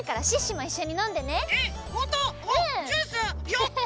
やった！